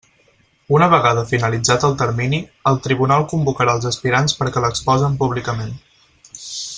Una vegada finalitzat el termini, el tribunal convocarà els aspirants perquè l'exposen públicament.